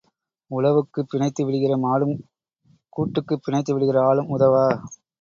உழவுக்குப் பிணைத்து விடுகிற மாடும் கூட்டுக்குப் பிணைத்து விடுகிற ஆளும் உதவா.